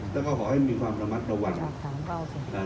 แล้วก็ขอให้มีความระมัดระวัง